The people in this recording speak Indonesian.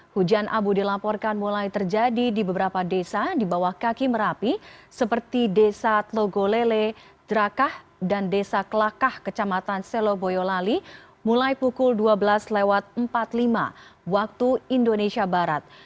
hujan abu dilaporkan mulai terjadi di beberapa desa di bawah kaki merapi seperti desa tlogolele drakah dan desa kelakah kecamatan selo boyolali mulai pukul dua belas empat puluh lima waktu indonesia barat